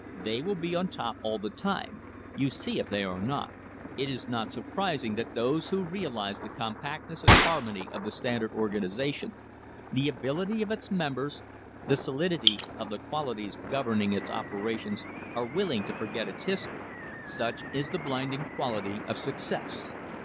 They will be on top all the time, you see if they are not." * It is not sur prising that those who realise the compactness and harmony of the Standard organisation, the ability of its members, the solidity of the qualities governing its operations, are willing to forget its history. Such is the blinding quality of success!